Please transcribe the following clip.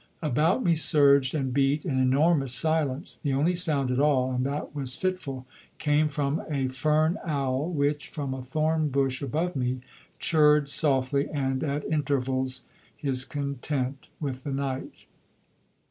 About me surged and beat an enormous silence. The only sound at all and that was fitful came from a fern owl which, from a thorn bush above me, churred softly and at intervals his content with the night.